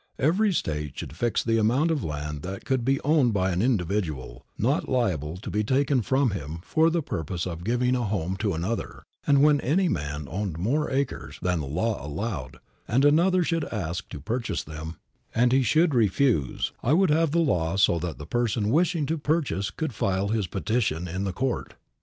Every State should fix the amount of land that could be owned by an individual, not liable to be taken from him for the purpose of giving a home to another, and when any man owned more acres than the law allowed, and another should ask to purchase them, and he should refuse, I would have the law so that the person wishing to purchase could file his petition in court.